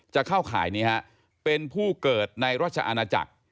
จะเข้าข่ายนี้ฮะเป็นผู้เกิดในราชอาณาจักร